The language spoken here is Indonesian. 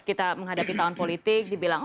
kita menghadapi tahun politik dibilang